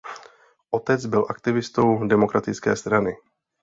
Otec byl aktivistou demokratické strany.